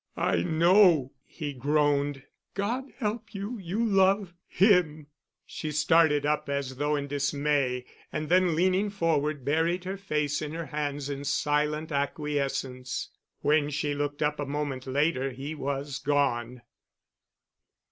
"I know," he groaned. "God help you, you love him." She started up as though in dismay, and then, leaning forward, buried her face in her hands in silent acquiescence. When she looked up a moment later he was gone.